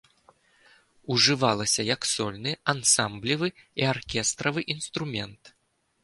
Ужывалася як сольны, ансамблевы і аркестравы інструмент.